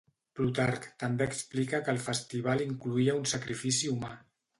Plutarc també explica que el festival incloïa un sacrifici humà.